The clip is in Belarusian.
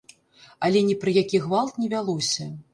Але ні пра які гвалт не вялося.